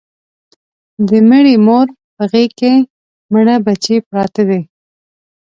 د مړې مور په غېږ کې مړه بچي پراته دي